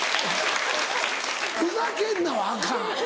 「ふざけんな」はアカン。